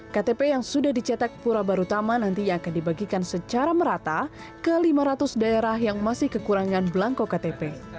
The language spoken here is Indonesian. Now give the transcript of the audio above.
ktp yang sudah dicetak pura barutama nanti akan dibagikan secara merata ke lima ratus daerah yang masih kekurangan belangko ktp